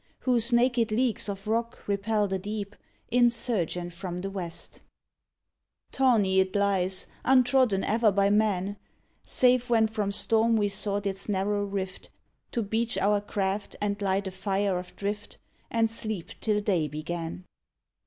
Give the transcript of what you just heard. Whose naked leagues of rock repel the deep, Insurgent from the west. 51 tHE SWIMMERS Tawny it lies, untrodden e'er by man, Save when from storm we sought its narrow rift To beach our craft and light a fire of drift And sleep till day began.